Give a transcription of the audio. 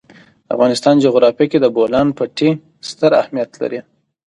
د افغانستان جغرافیه کې د بولان پټي ستر اهمیت لري.